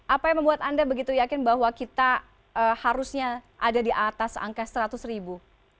apa yang membuat anda begitu yakin bahwa kita harusnya ada di atas angka seratus ribu